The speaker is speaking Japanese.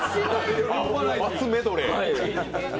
罰メドレー。